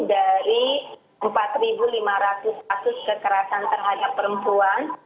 ini adalah satu dari empat lima ratus kasus kekerasan terhadap perempuan